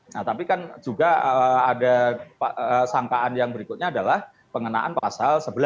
nah tapi kan juga ada sangkaan yang berikutnya adalah pengenaan pasal sebelas